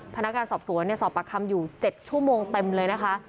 พนักงานสอบสวนสอบปากคำอยู่๗ชั่วโมงเต็มเลยนะคะ